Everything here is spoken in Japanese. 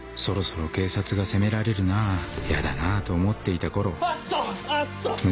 そろそろ警察が責められるなぁヤだなぁと思っていた頃篤斗！